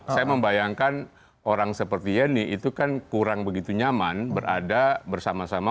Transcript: saya membayangkan orang seperti yeni itu kan kurang begitu nyaman berada bersama sama